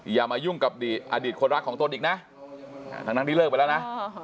อย่ามายุ่งกับอดีตคนรักของตนอีกนะทั้งที่เลิกไปแล้วนะ